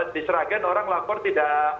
disragen orang lapor tidak